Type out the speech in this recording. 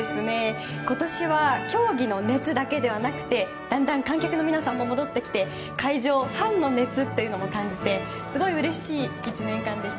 今年は、競技の熱だけではなくてだんだん観客の皆さんも戻ってきて会場でファンの熱も感じてすごいうれしい１年間でした。